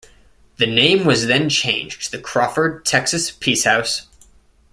The name was then changed to the Crawford Texas Peace House.